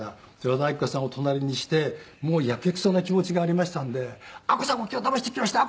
和田アキ子さんを隣にしてもうヤケクソな気持ちがありましたんでアッコさんを今日だましてきました。